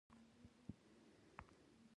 زه پر سمه لار تګ ته ژمن یم.